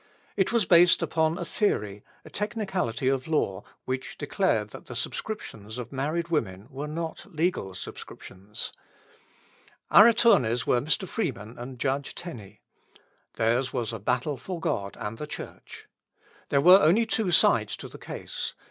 It was based upon a theory, a technicality of law, which declared that the subscriptions of married women were not legal subscriptions. Our attorneys were Mr. Freeman and Judge Tenney. Theirs was a battle for God and the Church. There were only two sides to the case.